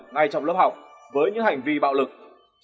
ngay trong lớp học với những hành vi bạo lực